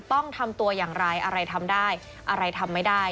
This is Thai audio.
ต้องทำตัวอย่างไรอะไรทำได้อะไรทำไม่ได้